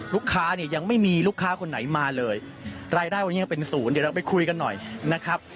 ลูกค้าเนี่ยยังไม่มีลูกค้าคนไหนมาเลยรายได้วันนี้ยังเป็นศูนย์เดี๋ยวเราไปคุยกันหน่อยนะครับ